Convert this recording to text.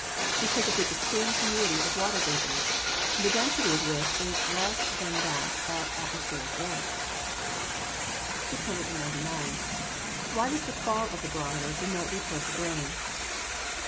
_ Because of the extreme tenuity of watery vapours, the density of which is less than that of atmospheric air. 699. _Why does the fall of the barometer denote the approach of rain?